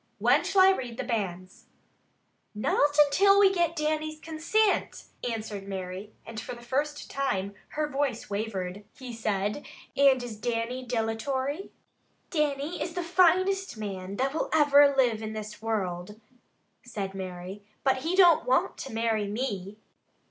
When shall I read the banns?" "Not until we get Dannie's consint," answered Mary, and for the first her voice wavered. Father Michael looked his surprise. "Tut! Tut!" he said. "And is Dannie dilatory?" "Dannie is the finest man that will ever live in this world," said Mary, "but he don't want to marry me."